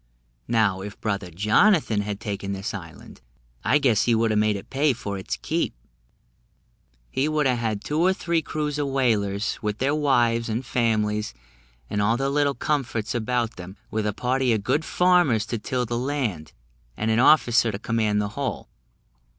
Now, if brother Jonathan had taken this island, I guess he would a' made it pay for its keep; he would have had two or three crews of whalers, with their wives and families, and all their little comforts about them, with a party of good farmers to till the land, and an officer to command the whole.